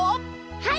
はい。